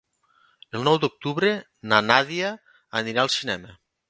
El nou d'octubre na Nàdia anirà al cinema.